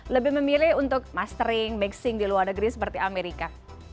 lebih memilih untuk mastering mixing di luar negeri seperti amerika